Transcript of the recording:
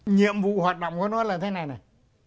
nhiệm vụ hoạt động của nó là thế này này